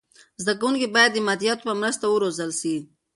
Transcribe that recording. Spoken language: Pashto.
زده کونکي باید د مادیاتو په مرسته و روزل سي.